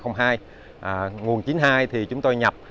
nguồn chín mươi hai thì chúng tôi nhập